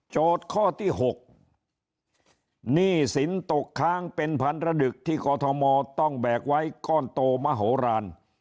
ข้อที่๖หนี้สินตกค้างเป็นพันระดึกที่กอทมต้องแบกไว้ก้อนโตมโหลาน